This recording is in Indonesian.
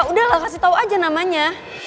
udah lah kasih tau aja namanya